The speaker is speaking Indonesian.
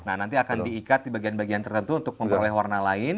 nah nanti akan diikat di bagian bagian tertentu untuk memperoleh warna lain